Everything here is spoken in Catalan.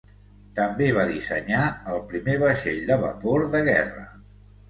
També va dissenyar el primer vaixell de vapor de guerra.